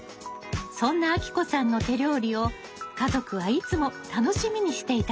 そんなあきこさんの手料理を家族はいつも楽しみにしていたそうです。